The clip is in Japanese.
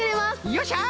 よっしゃ！